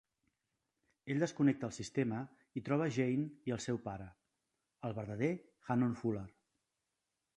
Ell desconnecta el sistema i troba Jane i el seu pare, el verdader Hannon Fuller.